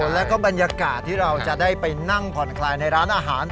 แล้วก็บรรยากาศที่เราจะได้ไปนั่งผ่อนคลายในร้านอาหาร